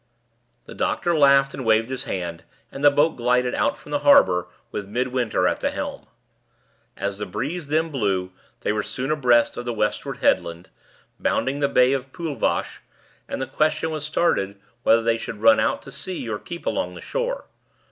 The doctor laughed and waved his hand, and the boat glided out from the harbor, with Midwinter at the helm. As the breeze then blew, they were soon abreast of the westward headland, bounding the Bay of Poolvash, and the question was started whether they should run out to sea or keep along the shore.